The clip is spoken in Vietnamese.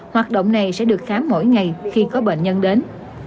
hoạt động này sẽ được khám mỗi ngày khi có bệnh nhân đến